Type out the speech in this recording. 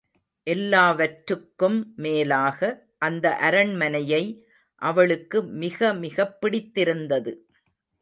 எல்லாவற்றுக்கும் மேலாக அந்த அரண்மனையை அவளுக்கு மிக மிகப் பிடித்திருந்தது.